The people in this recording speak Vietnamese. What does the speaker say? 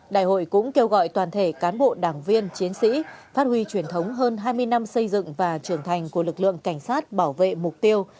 đại hội cũng kêu gọi toàn thể cán bộ đảng viên chiến sĩ phát huy truyền thống hơn hai mươi năm xây dựng và trưởng thành của lực lượng cảnh sát bảo vệ mục tiêu